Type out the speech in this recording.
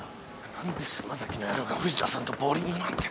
何で島崎の野郎が藤田さんとボウリングなんて。